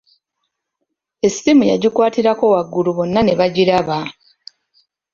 Essimu yagikwatira waggulu bonna ne bagiraba.